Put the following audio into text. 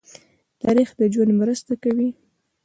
تاریخ د ژوند مرسته کوي.